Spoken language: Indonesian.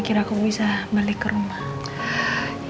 kira aku bisa balik ke rumah